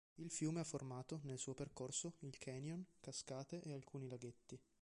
Il fiume ha formato, nel suo percorso, il canyon, cascate e alcuni laghetti.